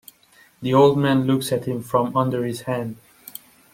The old man looks at him from under his hand.